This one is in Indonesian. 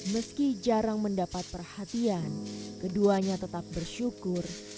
meski jarang mendapat perhatian keduanya tetap bersyukur